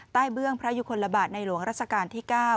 เบื้องพระยุคลบาทในหลวงรัชกาลที่๙